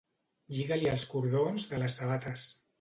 Lliga-li els cordons de les sabates.